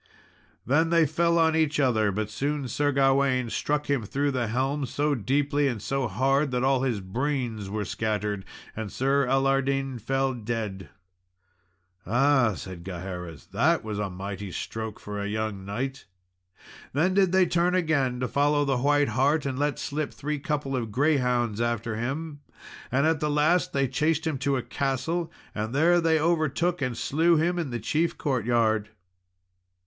Then they fell on each other; but soon Sir Gawain struck him through the helm, so deeply and so hard, that all his brains were scattered, and Sir Allardin fell dead. "Ah," said Gaheris, "that was a mighty stroke for a young knight!" Then did they turn again to follow the white hart, and let slip three couple of greyhounds after him; and at the last they chased him to a castle, and there they overtook and slew him, in the chief courtyard.